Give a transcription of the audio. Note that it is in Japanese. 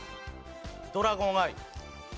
ドラゴンアイ。